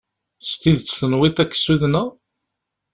S tidet tenwiḍ ad k-ssudneɣ?